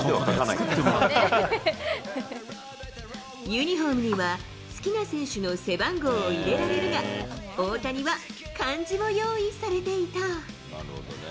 ユニホームには好きな選手の背番号を入れられるが、大谷は漢字も用意されていた。